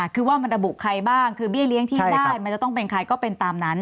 คือว่ามันระบุใครบ้างคือเบี้ยเลี้ยงที่ได้มันจะต้องเป็นใครก็เป็นตามนั้น